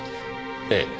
ええ。